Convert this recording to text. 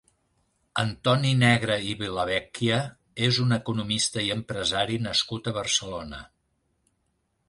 Antoni Negre i Villavecchia és un economista i empresari nascut a Barcelona.